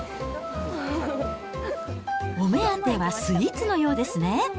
お目当てはスイーツのようですね。